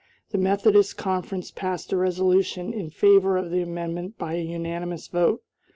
The Methodist conference passed a resolution in favor of the amendment by a unanimous vote.